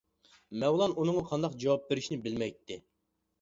مەۋلان ئۇنىڭغا قانداق جاۋاب بېرىشنى بىلمەيتتى.